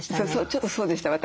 ちょっとそうでした私。